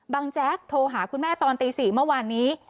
แจ๊กโทรหาคุณแม่ตอนตี๔เมื่อวานนี้